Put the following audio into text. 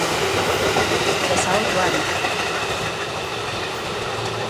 Dezaoito anos.